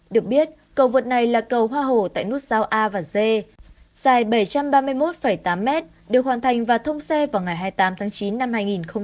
được biết cầu vượt này là cầu hoa hồ tại nút giao a và d dài bảy trăm ba mươi một tám mét được hoàn thành và thông xe vào ngày hai mươi tám tháng chín năm hai nghìn một mươi chín